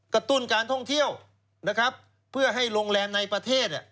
ตุ้นการท่องเที่ยวนะครับเพื่อให้โรงแรมในประเทศ